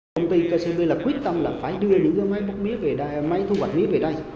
công ty kcb quyết tâm là phải đưa những máy bốc mía về đây máy thu hoạch mía về đây